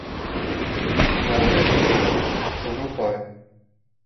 Merivê ku derin Ewrupayê.